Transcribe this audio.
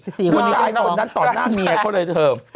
นี่นี่นี่นี่นี่นี่นี่